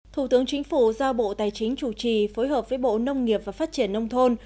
thủ tướng chính phủ giao bộ tài chính chủ trì phối hợp với bộ nông nghiệp và phát triển nông thôn